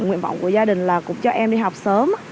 nguyện vọng của gia đình là cũng cho em đi học sớm